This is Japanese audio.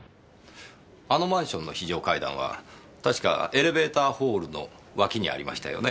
あのマンションの非常階段は確かエレベーターホールの脇にありましたよね。